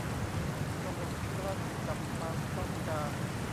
ต้องอดกลั้นกับความต้องการ